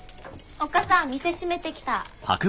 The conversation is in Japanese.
おっ母さん店閉めてきた。